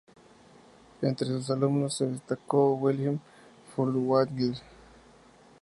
Entre sus alumnos se destacó Wilhelm Furtwängler.